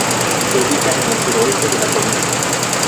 Se ubica en el suroeste de la provincia.